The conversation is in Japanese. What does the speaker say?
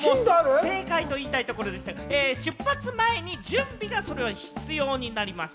正解と言いたいところでしたが、出発前に準備がそれは必要になります。